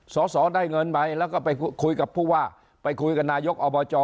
สอสอได้เงินไปแล้วก็ไปคุยกับผู้ว่าไปคุยกับนายกอบจ